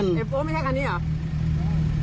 โอเคไม่ใช่คันนี้หรอ